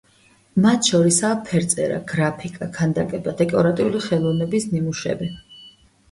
მათ შორისაა ფერწერა, გრაფიკა, ქანდაკება, დეკორატიული ხელოვნების ნიმუშები.